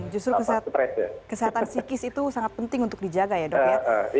justru kesehatan psikis itu sangat penting untuk dijaga ya dok ya